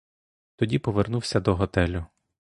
Тоді повернувся до готелю.